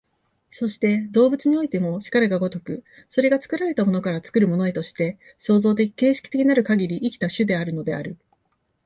そして動物においても然るが如く、それが作られたものから作るものへとして、創造的形成的なるかぎり生きた種であるのである。